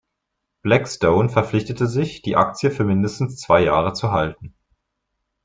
Blackstone verpflichtete sich, die Aktien für mindestens zwei Jahre zu halten.